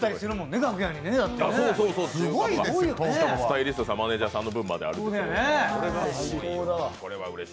スタイリストさん、マネージャーさんの分まである。